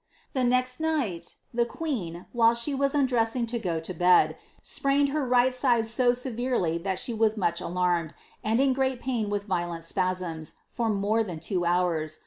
The nest night, the queen, while she was undressing lo go to b) sprained her right side so severely thai she was much alarmed, artd great pain with violent spasms, for ranre than two houra.